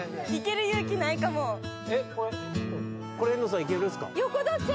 えっこれ・遠藤さんいけるんすか？